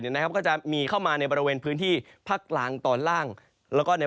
ก็จะมีเข้ามาในบริเวณพื้นที่ภาคกลางตอนล่างแล้วก็ใน